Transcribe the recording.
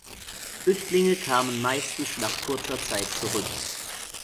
Flüchtlinge kamen meistens nach kurzer Zeit zurück.